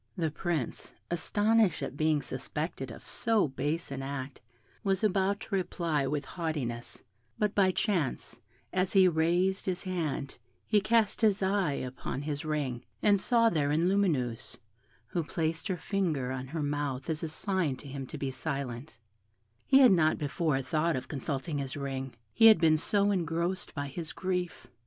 The Prince, astonished at being suspected of so base an act, was about to reply with haughtiness, but by chance, as he raised his hand, he cast his eyes upon his ring, and saw therein Lumineuse, who placed her finger on her mouth as a sign to him to be silent; he had not before thought of consulting his ring, he had been so engrossed by his grief.